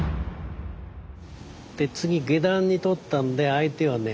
で次下段にとったんで相手はね